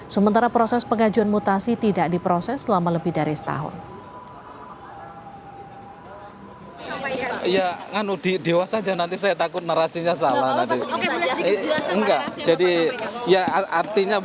sementara proses pengajuan mutasi tidak diproses selama lebih dari setahun